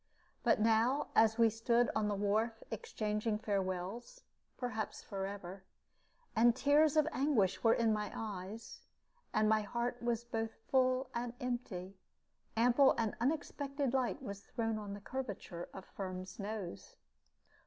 But now, as we stood on the wharf exchanging farewells, perhaps forever, and tears of anguish were in my eyes, and my heart was both full and empty, ample and unexpected light was thrown on the curvature of Firm's nose.